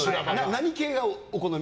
何系がお好み？